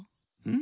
ん？